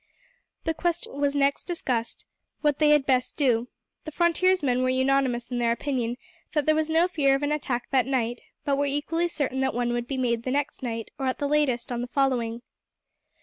The question was next discussed what they had best do. The frontiersmen were unanimous in their opinion that there was no fear of an attack that night, but were equally certain that one would be made the next night, or at the latest on that following.